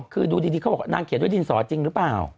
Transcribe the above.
คือดูดีเขาบอกนางเขียนด้วยดินสอจริงหรือเปล่า